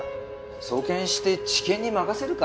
送検して地検に任せるか？